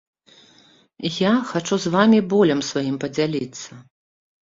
Я хачу з вамі болем сваім падзяліцца.